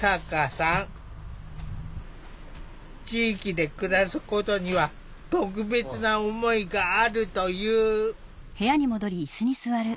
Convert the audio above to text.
地域で暮らすことには特別な思いがあるという。